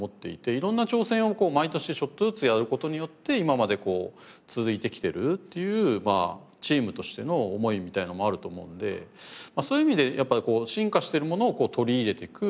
色んな挑戦を毎年ちょっとずつやる事によって今まで続いてきてるというチームとしての思いみたいなのもあると思うのでそういう意味でやっぱ進化してるものを取り入れていく。